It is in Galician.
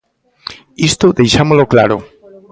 Isto deixámolo claro.